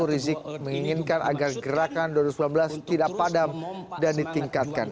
rizik menginginkan agar gerakan dua ribu sembilan belas tidak padam dan ditingkatkan